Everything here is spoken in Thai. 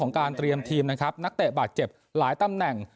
การเตรียมทีมนะครับนักเตะบาดเจ็บหลายตำแหน่ง